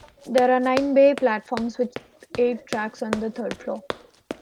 There are nine bay platforms with eight tracks on the third floor.